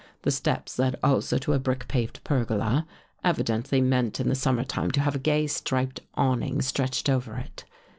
The steps led also to a brick paved pergola, evidently meant in the sum mer time to have a gay striped awning stretched over it.